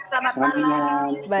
terus selamat malam